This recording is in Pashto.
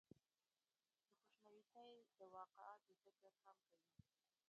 دَخوشنويسۍ دَواقعاتو ذکر هم کوي ۔